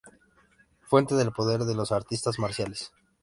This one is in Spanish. Fuente del poder de los Artistas Marciales.